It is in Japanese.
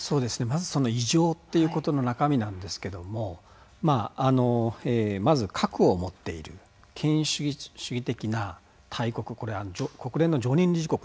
まずその異常っていうことの中身なんですけどもあのまず核を持っている権威主義的な大国これ国連の常任理事国ですね。